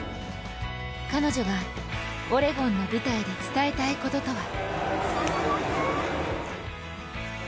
彼女がオレゴンの舞台で伝えたいこととは？